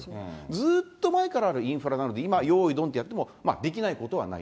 ずっと前からあるインフラなので、今、よーい、どんってやってもできないことはない。